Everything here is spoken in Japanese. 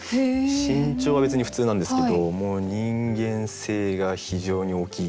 身長は別に普通なんですけどもう人間性が非常に大きい。